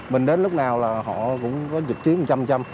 mình đến lúc nào là họ cũng có dịch chiến trăm trăm